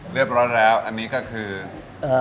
เรียบร้อยแล้วอันนี้ก็คือ